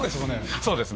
そうですね。